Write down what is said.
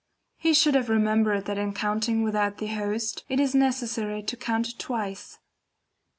He should have remembered that in counting without the host, it is necessary to count twice.